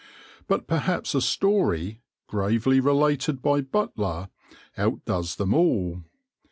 But perhaps a story, gravely related by Butler, out does them all.